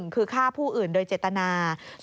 คือฆ่าผู้อื่นโดยเจตนา